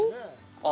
あっ、